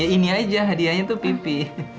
ya ini aja hadiahnya tuh pipi